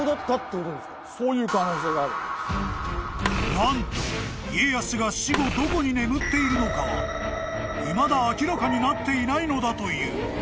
［何と家康が死後どこに眠っているのかはいまだ明らかになっていないのだという］